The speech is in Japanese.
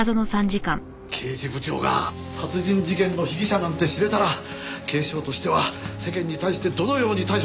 刑事部長が殺人事件の被疑者なんて知れたら警視庁としては世間に対してどのように対処すればいいのか。